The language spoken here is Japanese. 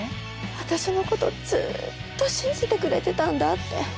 私のことずっと信じてくれてたんだって。